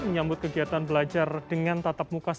menyambut kegiatan belajar dengan tatap muka seratus